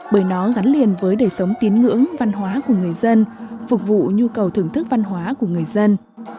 bởi nó gắn liền với đời sống tiến ngưỡng văn hóa của người dân phục vụ nhu cầu thưởng thức văn hóa của người dân